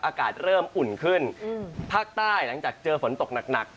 อากาศเริ่มอุ่นขึ้นภาคใต้หลังจากเจอฝนตกหนัก